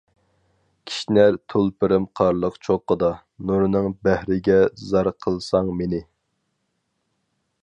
كىشنەر تۇلپىرىم قارلىق چوققىدا، نۇرنىڭ بەھرىگە زار قىلساڭ مېنى.